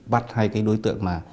bắt hai đối tượng